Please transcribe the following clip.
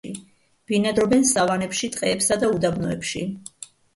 ბინადრობენ სავანებში, ტყეებსა და უდაბნოებში.